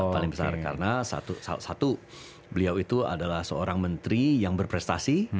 paling besar karena satu beliau itu adalah seorang menteri yang berprestasi